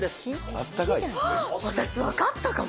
あっ、私、分かったかも！